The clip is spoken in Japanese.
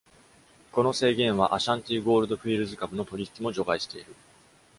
この制限は、アシャンティゴールド・フィールズ株の取引も除外している。